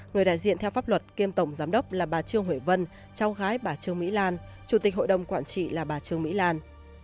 người đại diện theo pháp luật kiêm tổng giám đốc là bà trương huệ vân cháu gái bà trương mỹ lan chủ tịch hội đồng quản trị là bà trương mỹ lan